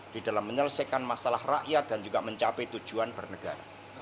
di dalam menyelesaikan masalah rakyat dan juga mencapai tujuan bernegara